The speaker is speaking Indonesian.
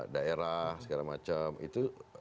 daerah segala macam itu